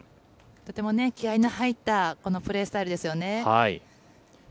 とても気合いの入ったこのプレースタイルですよね。